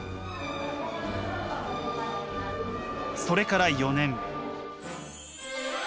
それから４年。